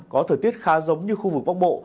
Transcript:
có thời tiết khá giống như khu vực bắc bộ